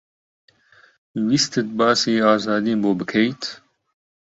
ویستت باسی ئازادیم بۆ بکەیت؟